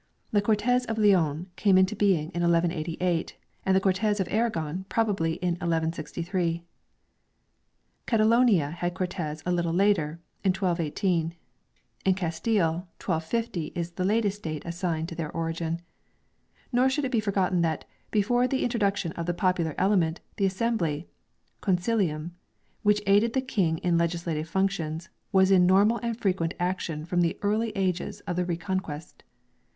The Cortes of Leon came into being in ~u88, and the Cortes of Aragon probably in 1163. Catalonia had Cortes a little later, in 1218. In Castile, 1250 is the latest date assigned to their origin. Nor should it be forgotten that, before the intro duction of the popular element, the assembly (" con cilium ") which aided the King in legislative functions, was in normal and frequent action from the early ages of the Reconquest.